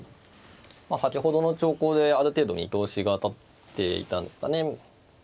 まあ先ほどの長考である程度見通しが立っていたんですかね。